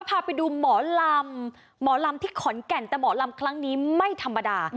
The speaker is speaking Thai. พาไปดูหมอลำหมอลำที่ขอนแก่นแต่หมอลำครั้งนี้ไม่ธรรมดา